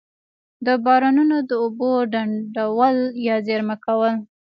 د بارانونو د اوبو ډنډول یا زیرمه کول.